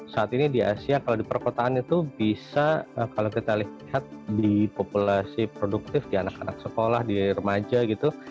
saat ini di asia kalau di perkotaan itu bisa kalau kita lihat di populasi produktif di anak anak sekolah di remaja gitu